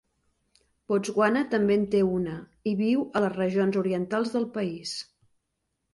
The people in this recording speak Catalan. Botswana també en té una i viu a les regions orientals del país.